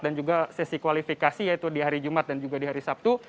dan juga sesi kualifikasi yaitu di hari jumat dan juga di hari sabtu